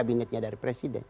anggota kabinetnya dari presiden